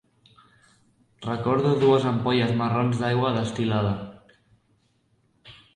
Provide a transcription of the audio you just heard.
Recordo dues ampolles marrons d'aigua destil·lada.